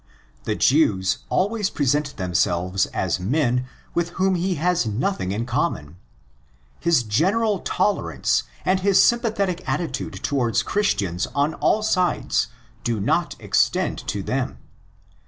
'The Jews" always present themselves as men with whom he has nothing in common. His general tolerance and his sympa thetic attitude towards Christians on all sides do not extend to them.!